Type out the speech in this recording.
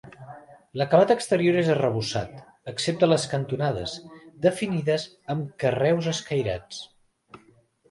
L'acabat exterior és arrebossat, excepte les cantonades, definides amb carreus escairats.